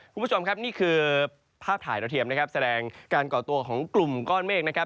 คุณผู้ชมครับนี่คือภาพถ่ายดาวเทียมนะครับแสดงการก่อตัวของกลุ่มก้อนเมฆนะครับ